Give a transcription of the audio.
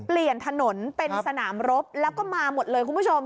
เปลี่ยนถนนเป็นสนามรบแล้วก็มาหมดเลยคุณผู้ชม